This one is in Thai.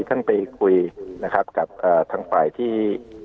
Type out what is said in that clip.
ท่านไปคุยนะครับกับทางฝ่ายที่